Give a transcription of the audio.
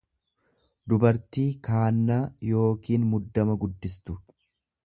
dubartii kaannaa yookiin muddama guddistu.